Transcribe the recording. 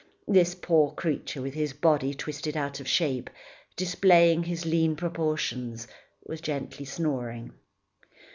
This poor creature, with his body twisted out of shape, displaying his lean proportions, was gently snoring.